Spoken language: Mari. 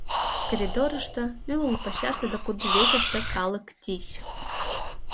Коридорышто, ӱлыл пачашыште да кудывечыште калык тич.